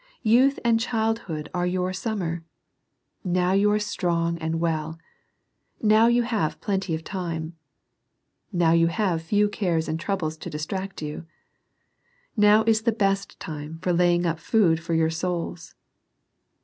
Youth and childhood are your LITTLE AND WISE. 47 summer. Now you are strong and well. Now you have plenty of time. Now you have few cares and troubles to distract you. Now is the best time for laying up food for your souls.